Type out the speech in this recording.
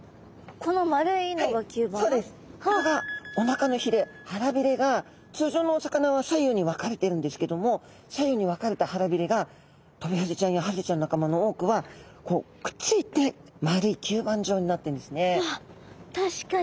これがおなかのひれ腹びれが通常のお魚は左右に分かれてるんですけども左右に分かれた腹びれがトビハゼちゃんやハゼちゃんの仲間の多くはこうくっついて確かに。